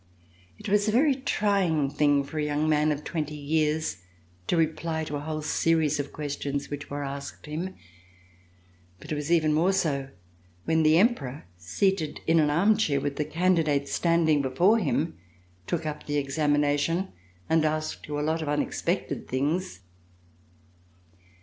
It was a very trying thing for a young man of twenty years to reply to a whole series of questions which were asked him. But it was even more so, when the Emperor, seated in an armchair, with the candidates standing before him, took up the examination and asked you a lot of unexpected things.